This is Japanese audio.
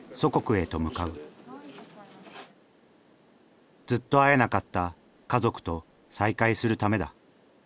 ずっと会えなかった家族と再会するためだ。